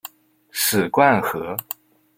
史灌河